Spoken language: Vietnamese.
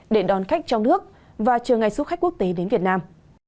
để đón khách trong nước và chờ ngày du khách quốc tế đến việt nam